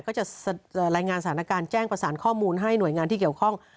ก็จะรายงานสถานการณ์แจ้งประสานข้อมูลให้หน่วยงานที่เกี่ยวข้อง